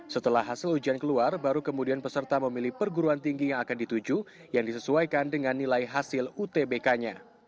setelah hasil ujian keluar baru kemudian peserta memilih perguruan tinggi yang akan dituju yang disesuaikan dengan nilai hasil utbk nya